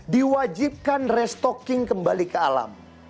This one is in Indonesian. diwajibkan restocking kembali ke alam